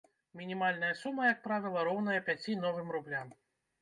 Мінімальная сума, як правіла, роўная пяці новым рублям.